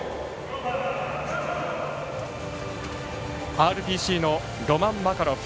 ＲＰＣのロマン・マカロフ。